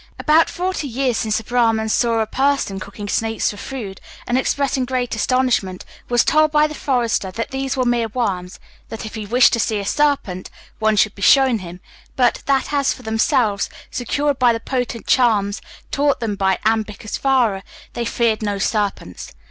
About forty years since a Brahman saw a person cooking snakes for food, and, expressing great astonishment, was told by the forester that these were mere worms; that, if he wished to see a serpent, one should be shown him; but that, as for themselves, secured by the potent charms taught them by Ambikesvarer, they feared no serpents.